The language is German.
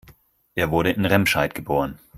Er wurde in Remscheid geboren